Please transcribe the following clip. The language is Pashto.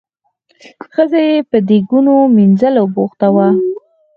ښځه یې په دیګونو مینځلو بوخته وه.